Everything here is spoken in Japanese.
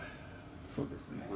そうですね。